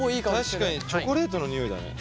確かにチョコレートの匂いだね。